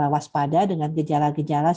waspada dengan gejala gejala